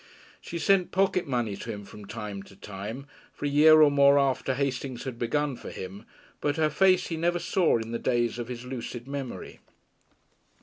She sent pocket money to him from time to time for a year or more after Hastings had begun for him, but her face he never saw in the days of his lucid memory.